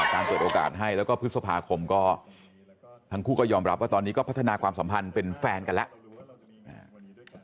เปิดโอกาสให้แล้วก็พฤษภาคมก็ทั้งคู่ก็ยอมรับว่าตอนนี้ก็พัฒนาความสัมพันธ์เป็นแฟนกันแล้ว